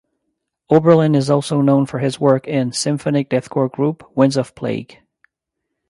Oberlin is also known for his work in symphonic deathcore group Winds of Plague.